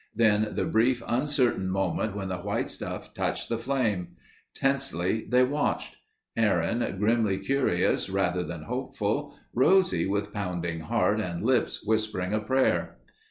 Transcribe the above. Then the brief, uncertain moment when the white stuff touched the flame. Tensely they watched, Aaron grimly curious rather than hopeful; Rosie with pounding heart and lips whispering a prayer.